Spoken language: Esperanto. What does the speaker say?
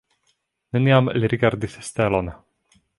Neniam li rigardis stelon.